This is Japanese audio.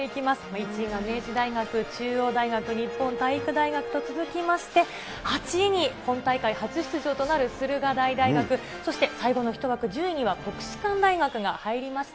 １位が明治大学、中央大学、日本体育大学と続きまして、８位に本大会初出場となる駿河台大学、そして最後の１枠、１０位には国士舘大学が入りました。